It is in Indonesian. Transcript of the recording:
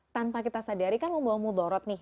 tanpa kita sadarikan membuat mudorot nih